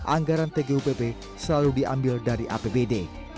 anggaran tgupp selalu diambil dari apbd